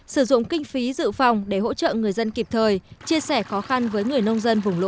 sử dụng kinh phí dự phòng để hỗ trợ người dân kịp thời chia sẻ khó khăn với người nông dân vùng lũ